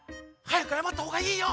はやくあやまったほうがいいよ。